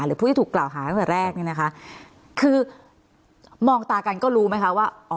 หรือผู้ที่ถูกกล่าวหาเวลาแรกนี่นะคะคือมองตากันก็รู้ไหมคะว่า